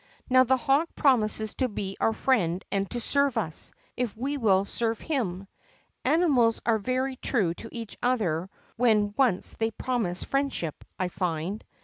Bow the hawk promises to be our friend and to serve us, if we will serve him. Animals are very true to each other when once they promise friendship, I find.